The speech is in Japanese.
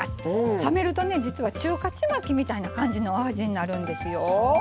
冷めると実は中華ちまきみたいなお味になるんですよ。